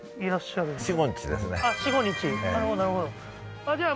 なるほどなるほどじゃあ